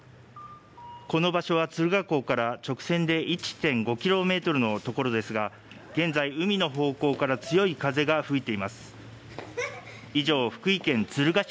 この場所は、敦賀港から直線で１．５キロメートルの所ですが、現在、海の方向から強い風が吹いています。